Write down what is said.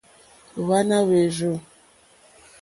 Hwáná hwèrzù.